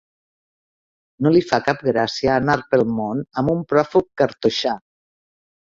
No li fa cap gràcia, anar pel món amb un pròfug cartoixà.